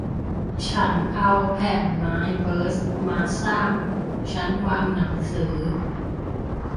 ฉันเอาแผ่นไม้เบิร์ซมาสร้างชั้นวางหนังสือ